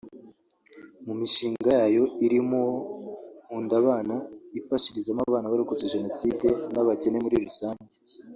mu mishinga yayo irimo uwo “Nkundabana” ifashirizamo abana barokotse jenoside n’ab’abakene muri rusange